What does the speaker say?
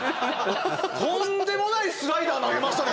とんでもないスライダー投げましたね